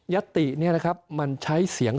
ยัตติใช่เสียง